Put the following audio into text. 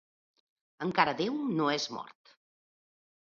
Encara Déu no és mort.